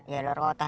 iya luar kota